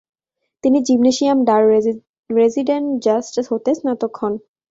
তিনি জিমনেসিয়াম ডার রেসিডেনজাস্ট হতে স্নাতক হন।